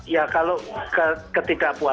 ya kalau ketidakpun